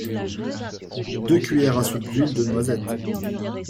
deux cuilières à soupe d’huile de noisette